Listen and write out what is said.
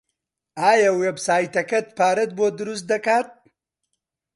ئایا وێبسایتەکەت پارەت بۆ دروست دەکات؟